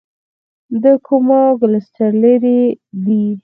د کوما کلسټر لیرې دی.